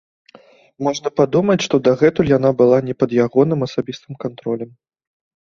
Можна падумаць, што дагэтуль яна была не пад ягоным асабістым кантролем.